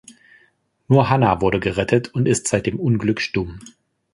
Nur Hannah wurde gerettet und ist seit dem Unglück stumm.